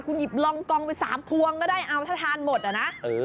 คุณหยิบรองกองไป๓พวงก็ได้เอาถ้าทานหมดอะนะ